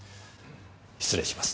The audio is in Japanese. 失礼します。